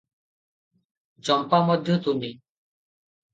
ଚମ୍ପା ମଧ୍ୟ ତୁନି ।